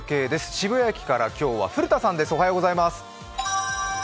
渋谷駅から今日は古田さんです。